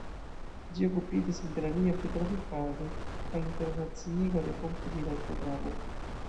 Ĝi okupiĝas interalie pri tradukado kaj internaciigo de komputilaj programoj.